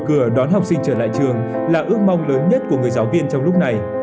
đóng cửa đón học sinh trở lại trường là ước mong lớn nhất của người giáo viên trong lúc này